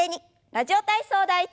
「ラジオ体操第１」。